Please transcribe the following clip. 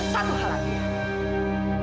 satu hal lagi